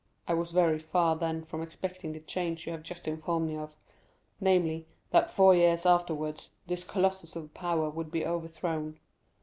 I was very far then from expecting the change you have just informed me of; namely, that four years afterwards, this colossus of power would be overthrown.